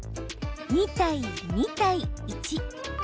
２対２対１。